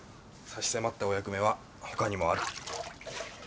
差し迫ったお役目はほかにもある。